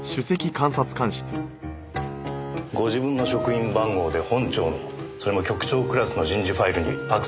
ご自分の職員番号で本庁のそれも局長クラスの人事ファイルにアクセスしましたね。